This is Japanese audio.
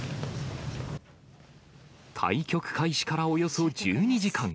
対局開始からおよそ１２時間。